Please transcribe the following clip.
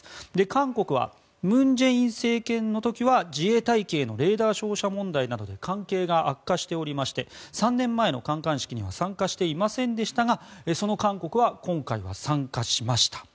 韓国は文在寅政権の時は自衛隊機へのレーダー照射問題などで関係が悪化しておりまして３年前の観艦式には参加していませんでしたがその韓国は今回は参加しました。